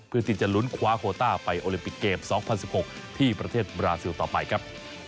เพื่อที่จะลุ้นคว้าโคต้าไปโอลิมปิกเกม๒๐๑๖ที่ประเทศบราซิลต่อไปครับ